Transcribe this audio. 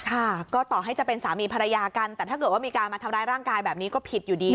ค่ะก็ต่อให้จะเป็นสามีภรรยากันแต่ถ้าเกิดว่ามีการมาทำร้ายร่างกายแบบนี้ก็ผิดอยู่ดี